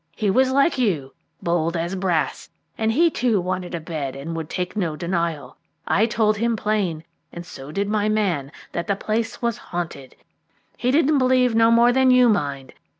He was like you, bold as brass, and he too wanted a bed, and would take no denial. I told him plain, and so did my man, that the place was haunted. He didn't mind no more than you mind.